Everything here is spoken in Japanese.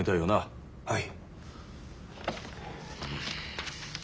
はい。